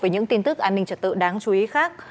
với những tin tức an ninh trật tự đáng chú ý khác